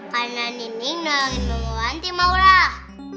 karena nih nih nolongi pembawaan tim maulah